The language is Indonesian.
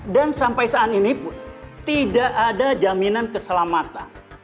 dan sampai saat ini pun tidak ada jaminan keselamatan